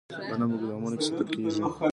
غنم په ګدامونو کې ساتل کیږي.